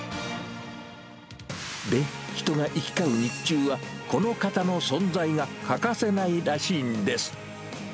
で、人が行き交う日中は、この方の存在が欠かせないらしいんです。